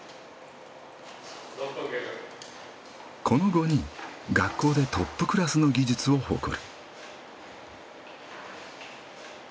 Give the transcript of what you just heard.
この５人学校でトップクラスの技術を誇る。